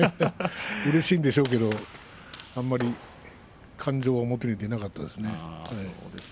うれしいんでしょうけどもあまり感情は表に出なかったですね。